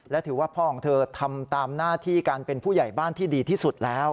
และถือว่าพ่อของเธอทำตามหน้าที่การเป็นผู้ใหญ่บ้านที่ดีที่สุดแล้ว